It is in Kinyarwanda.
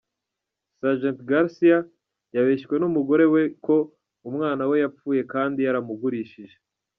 Sgt Garcia yabeshywe n’umugore we ko umwana we yapfuye kandi yaramugurishije.